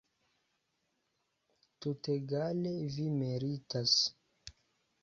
Tutegale vi meritas.